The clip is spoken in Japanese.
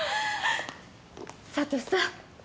佐都さん